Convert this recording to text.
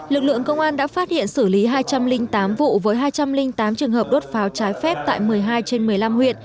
lực lượng công an đã phát hiện xử lý hai trăm linh tám vụ với hai trăm linh tám trường hợp đốt pháo trái phép tại một mươi hai trên một mươi năm huyện